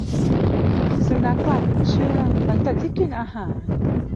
สุนัขกลายเป็นเชื่องหลังจากที่กินอาหาร